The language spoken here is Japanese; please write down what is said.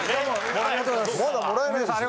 まだもらえないでしょ。